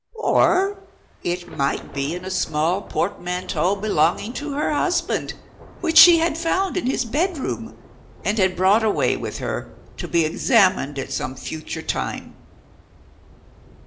Or it might be in a small portmanteau belonging to her husband, which she had found in his bedroom, and had brought away with her, to be examined at some future time.